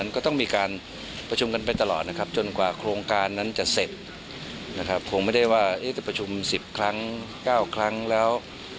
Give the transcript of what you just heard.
คงไม่ได้ว่าประชุม๑๐ครั้ง๙ครั้งแล้ว